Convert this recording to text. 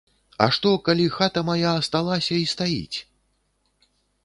А што, калі хата мая асталася і стаіць?